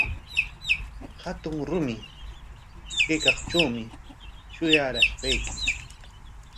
Hatun rumi kaykaqtrawmi shuyarashqayki.